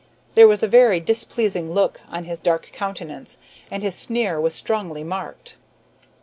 There was a very displeasing look on his dark countenance, and his sneer was strongly marked.